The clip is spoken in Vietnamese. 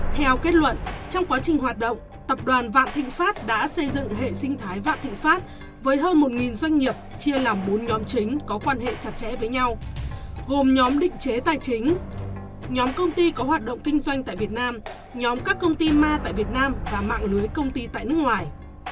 theo kết luận trong quá trình hoạt động tập đoàn vạn thịnh pháp đã xây dựng hệ sinh thái vạn thịnh pháp với hơn một doanh nghiệp chia làm bốn nhóm chính có quan hệ chặt chẽ với nhau gồm nhóm định chế tài chính nhóm công ty có hoạt động kinh doanh tại việt nam nhóm các công ty ma tại việt nam và mạng lưới công ty tại nước ngoài